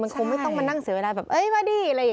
มันคงไม่ต้องมานั่งเสียเวลาแบบเอ้ยมาดี